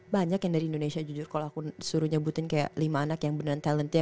banyak yang dari indonesia jujur kalau aku suruh nyebutin kayak lima anak yang beneran talent ya